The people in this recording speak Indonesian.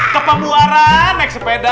kepemluaran naik sepeda